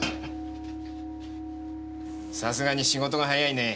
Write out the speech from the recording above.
さすがに仕事が早いね。